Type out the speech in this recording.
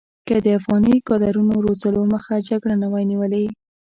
که د افغاني کادرونو روزلو مخه جګړې نه وی نیولې.